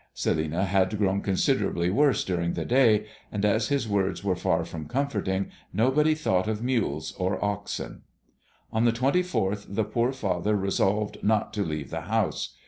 Celinina had grown considerably worse during the day; and as his words were far from comforting, nobody thought of mules or oxen. On the 24th the poor father resolved not to leave the house.